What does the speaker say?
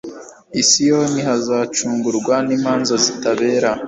i siyoni hazacungurwa n'imanza zitabera